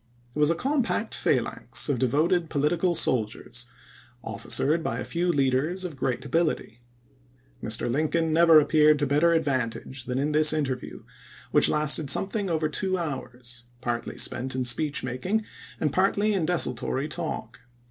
It was a compact phalanx of devoted political soldiers, officered by a few leaders of gi'eat ability. Mr. Lincoln never ap peared to better advantage than in this interview, which lasted something over two hours, partly spent in speech making and partly in desultory talk.